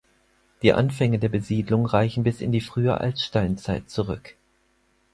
Die Anfänge der Besiedlung reichen bis in die frühe Altsteinzeit zurück.